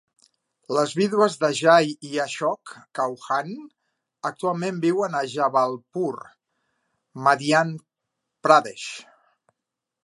Les viudes d'Ajay i Ashok Chauhan actualment viuen a Jabalpur (Madhya Pradesh).